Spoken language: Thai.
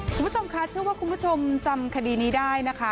คุณผู้ชมคะเชื่อว่าคุณผู้ชมจำคดีนี้ได้นะคะ